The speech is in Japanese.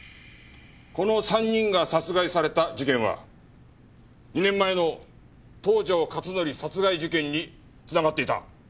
この３人が殺害された事件は２年前の東条克典殺害事件につながっていた。